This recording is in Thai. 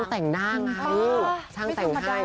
แต่งหน้าไงช่างแต่งให้